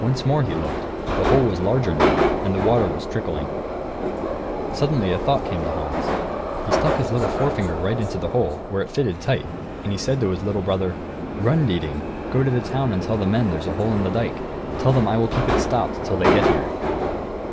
Once more he looked; the hole was larger, now, and the water was trickling. Suddenly a thought came to Hans. He stuck his little forefinger right into the hole, where it fitted tight; and he said to his little brother, "Run, Dieting! Go to the town and tell the men there's a hole in the dike. Tell them I will keep it stopped till they get here."